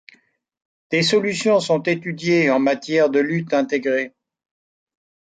Des solutions sont étudiées en matière de lutte intégrée.